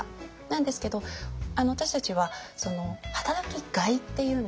なんですけど私たちは働きがいっていうんですかね